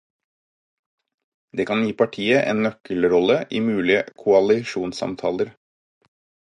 Det kan gi partiet en nøkkelrolle i mulige koalisjonssamtaler.